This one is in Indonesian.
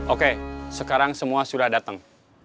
oke sekarang semua sudah datang